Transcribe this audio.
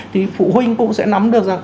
thì phụ huynh cũng sẽ nắm được rằng